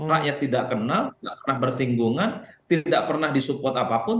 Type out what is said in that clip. rakyat tidak kenal tidak pernah bersinggungan tidak pernah disupport apapun